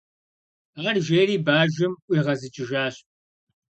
- Ар жери, бажэм ӏуигъэзыкӏыжащ.